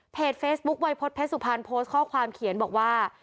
เพจเฟสบุ๊คไวพจน์เพศสุพรรณโพสต์ข้อความเขียนบอกว่า